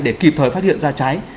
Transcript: để kịp thời phát hiện ra cháy